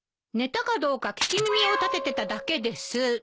寝たかどうか聞き耳をたててただけです。